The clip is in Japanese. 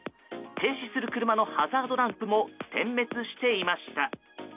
停止する車のハザードランプも点滅していました。